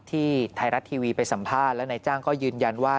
ที่ไทยรัฐทีวีไปสัมภาษณ์แล้วนายจ้างก็ยืนยันว่า